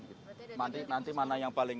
berarti nanti mana